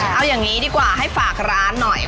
เอาอย่างนี้ดีกว่าให้ฝากร้านหน่อย